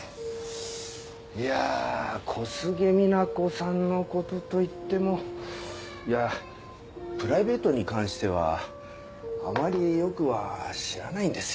いやあ小菅みな子さんの事といってもプライベートに関してはあまりよくは知らないんですよ。